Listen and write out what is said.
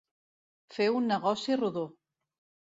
Fer un negoci rodó.